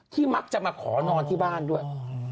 มักจะมาขอนอนที่บ้านด้วย